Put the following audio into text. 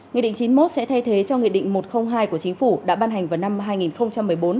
nghị định chín mươi một sẽ thay thế cho nghị định một trăm linh hai của chính phủ đã ban hành vào năm hai nghìn một mươi bốn